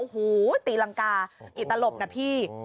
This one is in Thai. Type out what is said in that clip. โอ้โหตีลังกาอิตรรบนะพี่